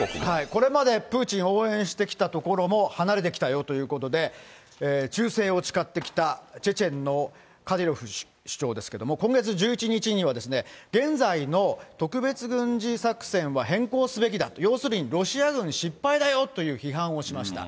これまでプーチンを応援してきた所も離れてきたよということで、忠誠を誓ってきたチェチェンのカディロフ首長ですけれども、今月１１日には、現在の特別軍事作戦は変更すべきだ、要するにロシア軍失敗だよという批判をしました。